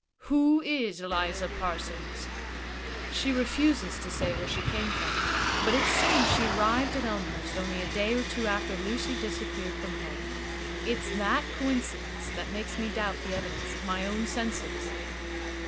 "Who is Eliza Parsons?" "She refuses to say where she came from. But it seems she arrived at Elmhurst only a day or two after Lucy disappeared from home. It's that coincidence that makes me doubt the evidence of my own senses."